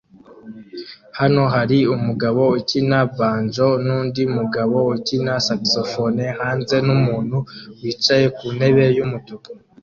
Hano hari umugabo ukina banjo nundi mugabo ukina saxofone hanze numuntu wicaye ku ntebe yumutuku